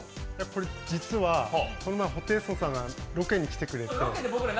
これ実はこの前ホテイソンさんがロケに来てくれて。